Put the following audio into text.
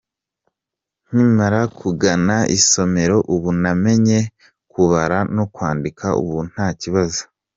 Nkimara kugana isomero ubu namenye kubara no kwandika ubu nta kibazo.